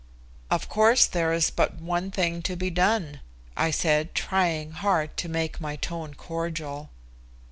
"Of course there is but one thing to be done," I said, trying hard to make my tone cordial.